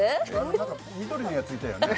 何か緑のやついたよね？